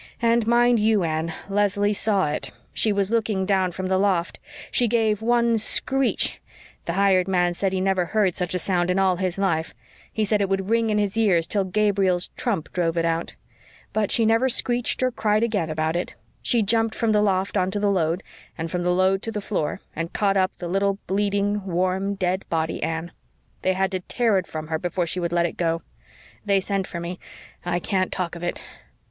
And mind you, Anne, Leslie saw it. She was looking down from the loft. She gave one screech the hired man said he never heard such a sound in all his life he said it would ring in his ears till Gabriel's trump drove it out. But she never screeched or cried again about it. She jumped from the loft onto the load and from the load to the floor, and caught up the little bleeding, warm, dead body, Anne they had to tear it from her before she would let it go. They sent for me I can't talk of it."